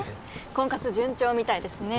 婚活順調みたいですね